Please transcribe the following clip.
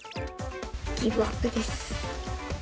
ギブアップです。